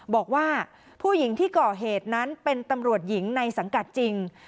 บอกว่าผู้หญิงที่ก่อเหตุนั้นเป็นตำรวจหญิงในสังกัดจริง